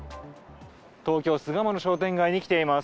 東京・巣鴨の商店街に来ています。